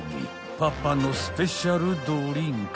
［パパのスペシャルドリンク